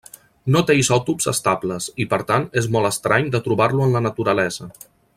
No té isòtops estables i, per tant, és molt estrany de trobar-lo en la naturalesa.